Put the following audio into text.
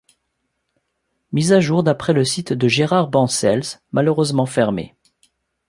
Mise à jour d'après le site de Gérard Bancells, malheureusement fermé.